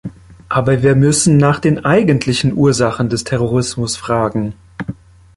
Aber wir müssen nach den eigentlichen Ursachen des Terrorismus fragen.